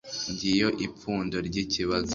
Ngiyo ipfundo ry ikibazo.